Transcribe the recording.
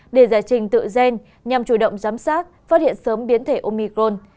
để giải trình tự gen nhằm chủ động giám sát phát hiện sớm biến thể omicron